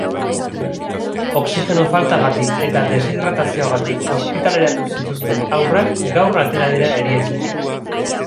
Oxigeno faltagatik eta deshidratazioagatik ospitaleratu zituzten haurrak gaur atera dira erietxetik.